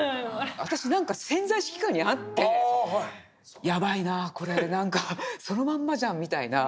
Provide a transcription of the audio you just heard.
私何か潜在意識下にあってやばいなこれ何かそのまんまじゃんみたいな。